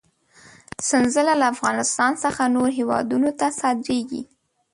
سنځله له افغانستان څخه نورو هېوادونو ته صادرېږي.